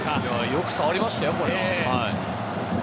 よく触りましたよ、これは。